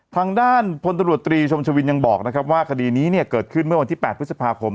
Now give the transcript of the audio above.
ทางด้านพลตำรวจตรีชมชวินยังบอกนะครับว่าคดีนี้เนี่ยเกิดขึ้นเมื่อวันที่๘พฤษภาคม